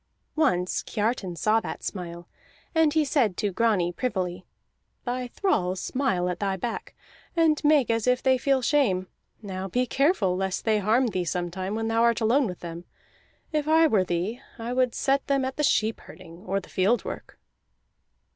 Once Kiartan saw that smile, and he said to Grani privily: "Thy thralls smile at thy back, and make as if they feel shame. Now be careful lest they harm thee sometime when thou art alone with them. If I were thee, I would set them at the sheep herding or the field work."